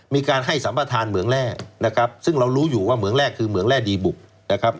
มีการให้สัมประธานเหมืองแร่นะครับซึ่งเรารู้อยู่ว่าเหมืองแร่คือเหมืองแร่ดีบุกนะครับ